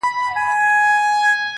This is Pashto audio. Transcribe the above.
صبر د ستونزو آسانتیا ده.